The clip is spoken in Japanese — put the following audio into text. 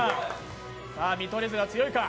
見取り図が強いか？